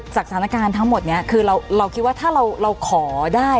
สถานการณ์ทั้งหมดนี้คือเราคิดว่าถ้าเราขอได้